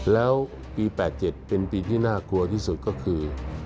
แล้วปี๘๗เป็นปีที่น่ากลัวที่สุดก็คือ